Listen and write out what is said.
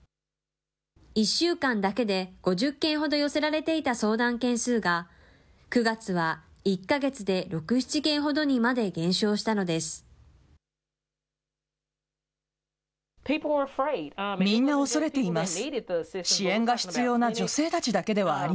１週間だけで５０件ほど寄せられていた相談件数が、９月は１か月で６、７件ほどにまで減少したのです。